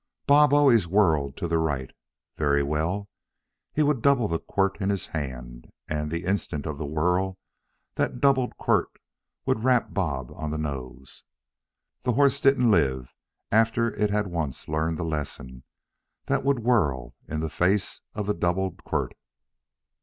Bob always whirled to the right. Very well. He would double the quirt in his hand and, the instant of the whirl, that doubled quirt would rap Bob on the nose. The horse didn't live, after it had once learned the lesson, that would whirl in the face of the doubled quirt.